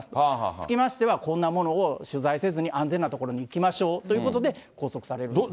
つきましては、こんなものを取材せずに、安全な所に行きましょうということで、拘束されるわけですね。